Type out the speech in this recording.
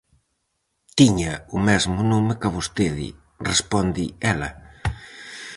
Tiña o mesmo nome ca vostede -responde ela.